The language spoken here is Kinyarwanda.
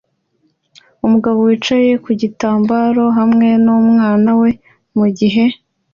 Umugabo wicaye ku gitambaro hamwe numwana we mugihe